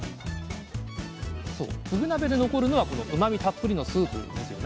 ふぐ鍋で残るのはこのうまみたっぷりのスープですよね。